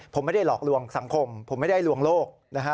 ผมไม่ได้หลอกลวงสังคมผมไม่ได้ลวงโลกนะฮะ